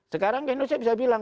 sekarang indonesia bisa bilang